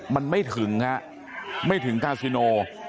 ก็ไม่ถึงกาซิโน